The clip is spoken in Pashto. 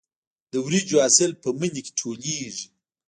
د وریجو حاصل په مني کې ټولېږي.